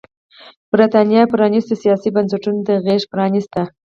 برېټانیا پرانيستو سیاسي بنسټونو ته غېږ پرانېسته.